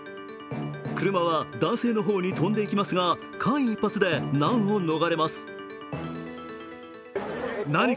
車は男性の方に飛んできますが間一髪で難を逃れます。